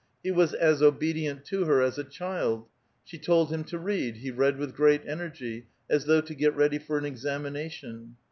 He was as obedient to her as a child. She told him to read ; he read with great energy, as though to get ready for an examina tion.